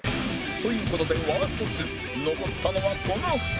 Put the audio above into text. という事でワースト２残ったのはこの２人